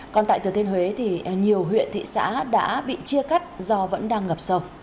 còn tại từ thiên huế thì nhiều huyện thị xã đã bị chia cắt do vẫn đang ngập sầu